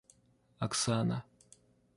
Оксана